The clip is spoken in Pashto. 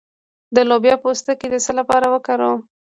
د لوبیا پوستکی د څه لپاره وکاروم؟